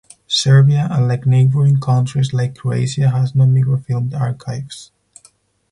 Serbia, unlike neighbouring countries like Croatia, has no microfilmed archives.